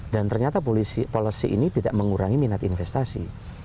dan ternyata policy ini tidak mengurangi minat investasi